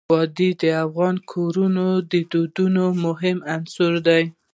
وادي د افغان کورنیو د دودونو مهم عنصر دی.